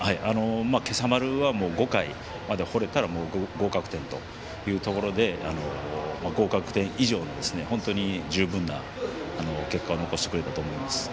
今朝丸は５回まで放れたら合格点というところで合格点以上の十分な結果を残してくれたと思います。